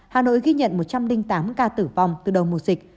hà nội ghi nhận một trăm linh tám ca tử vong từ đầu mùa dịch